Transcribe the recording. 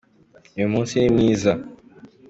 Uyu munsi ni mwiza.